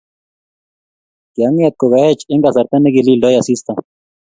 Kianget kokaech eng kasarta nekilildoi asista